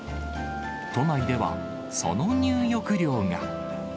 都内では、その入浴料が。